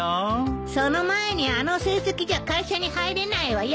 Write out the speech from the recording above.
その前にあの成績じゃ会社に入れないわよ。